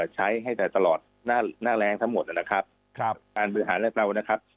ใช้ให้แต่ตลอดหน้าแรงทั้งหมดนะครับการบริหารแรกเรานะครับ